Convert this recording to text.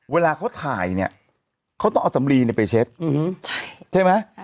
เวลาเขาถ่ายเนี่ยเขาต้องเอาสำลีไปเช็ดใช่ไหม